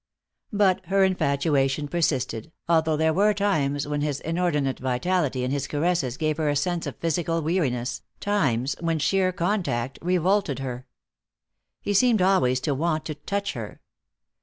But her infatuation persisted, although there were times when his inordinate vitality and his caresses gave her a sense of physical weariness, times when sheer contact revolted her. He seemed always to want to touch her.